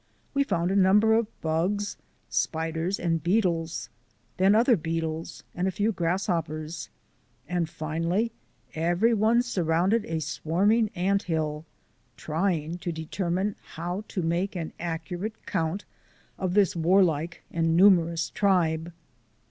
We found a number of bugs, spiders, and beetles; then other beetles and a few grasshoppers; and finally everyone surrounded a swarming ant hill, trying to determine how to make an accurate count CHILDREN OF MY TRAIL SCHOOL 157 of this warlike and numerous tribe.